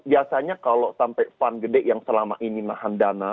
biasanya kalau sampai pan gede yang selama ini nahan dana